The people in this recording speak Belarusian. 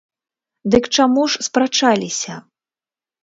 Дык чаму ж спрачаліся?